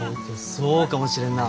そうかもしれんなあ。